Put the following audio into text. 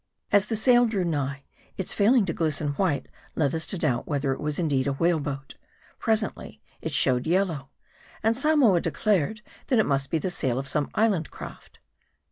As the sail drew nigh, its failing to glisten white led us to doubt whether it was indeed a whale boat. Presently, it showed yellow ; and Samoa declared, that it must be the sail of some island craft.